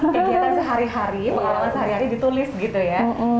kegiatan sehari hari pengalaman sehari hari ditulis gitu ya